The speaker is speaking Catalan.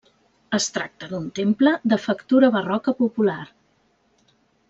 Es tracta d'un temple de factura barroca popular.